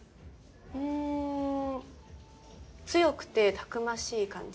ん強くてたくましい感じ？